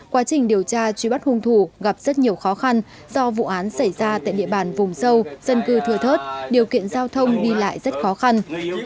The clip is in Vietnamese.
quá trình điều tra truy bắt hung thủ gặp rất nhiều khó khăn do vụ án xảy ra tại địa bàn vùng sâu dân cư thừa thớt điều kiện giao thông đi lại rất khó khăn